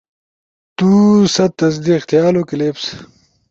تو ست تصدیق تھیالو کلپس